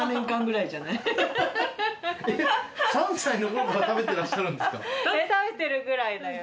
３歳のころから食べてらっしゃるんですか？